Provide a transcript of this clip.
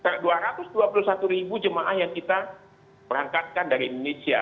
sekitar dua ratus dua puluh satu ribu jemaah yang kita berangkatkan dari indonesia